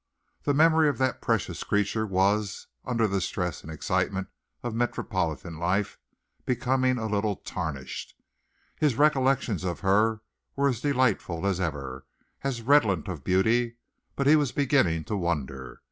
The memory of that precious creature was, under the stress and excitement of metropolitan life, becoming a little tarnished. His recollections of her were as delightful as ever, as redolent of beauty, but he was beginning to wonder.